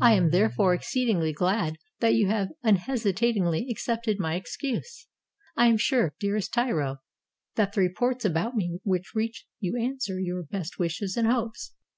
I am therefore exceedingly glad that you have unhesi tatingly accepted my excuse. I am sure, dearest Tiro, that the reports about me which reach you answer your best wishes and hopes.